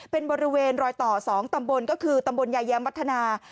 เป็นบริเวณรอยต่อ๒ตำบลก็คือตำบลยายแย้มวัฒนา